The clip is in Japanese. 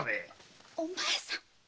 お前さん！